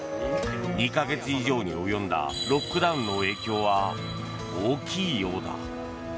２か月以上に及んだロックダウンの影響は大きいようだ。